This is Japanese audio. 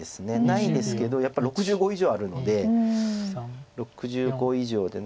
ないですけどやっぱり６５以上あるので６５以上で。